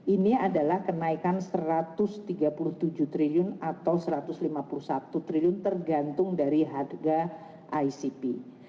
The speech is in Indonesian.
ini adalah kenaikan rp satu ratus tiga puluh tujuh triliun atau rp satu ratus lima puluh satu triliun tergantung dari harga icp